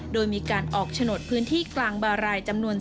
โดยมีการออกโฉนดพื้นที่กลางบารายจำนวน